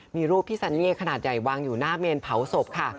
มีรูปที่ซันเลี่ขนาดใหญ่วางอยู่หน้าเมนเผาศพค่ะ